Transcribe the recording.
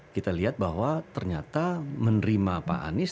kita lihat bahwa ternyata menerima pak anies